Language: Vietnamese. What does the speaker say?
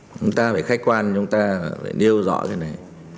chúng ta phải khách quan chúng ta phải nêu rõ cái này